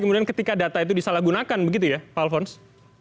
kemudian ketika data itu disalahgunakan begitu ya pak alfons